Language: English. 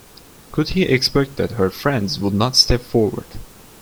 Could he expect that her friends would not step forward?